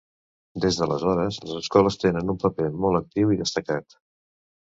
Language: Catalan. Des d’aleshores, les escoles tenen un paper molt actiu i destacat.